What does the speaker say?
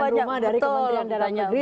pekerjaan rumah dari kementerian darah negeri